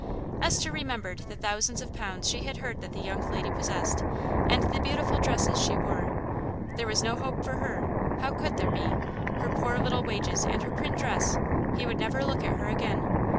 Esther remembered the thousands of pounds she had heard that the young lady possessed, and the beautiful dresses she wore. There was no hope for her. How could there be? Her poor little wages and her print dress! He would never look at her again!